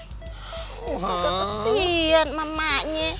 gue kepesian sama emaknya